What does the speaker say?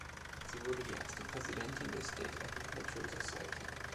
Sie wurde die erste Präsidentin der State Agricultural Society.